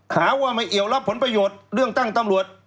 หาว่าไม่เอี่ยวรับผลประโยชน์เรื่องตั้งตำรวจ